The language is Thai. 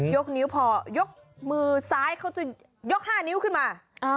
ยกนิ้วพอยกมือซ้ายเขาจะยก๕นิ้วขึ้นมา